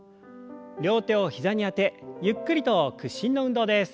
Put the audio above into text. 両手を膝にあてゆっくりと屈伸の運動です。